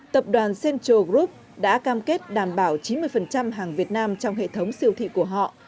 tập đoàn central group đã cam kết đảm bảo chín mươi hàng việt nam trong hệ thống siêu thị của họ